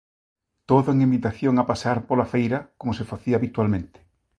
Toda unha invitación a pasear pola feira, como se facía habitualmente.